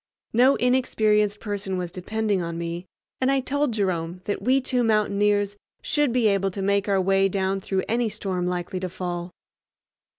No inexperienced person was depending on me, and I told Jerome that we two mountaineers should be able to make our way down through any storm likely to fall.